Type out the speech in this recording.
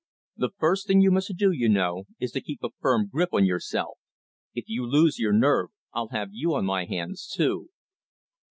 "The first thing you must do, you know, is to keep a firm grip on yourself. If you lose your nerve I'll have you on my hands too."